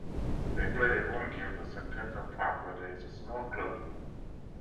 They play their home games at Centennial Park where there is a small clubroom.